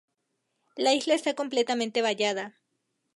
La isla está completamente vallada.